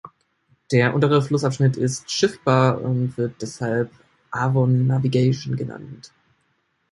Der untere Flussabschnitt ist schiffbar und wird deshalb "Avon Navigation" genannt.